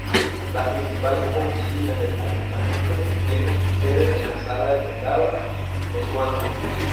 Las principales oficinas del ayuntamiento tienen su sede en la Sala del Condado, Swansea.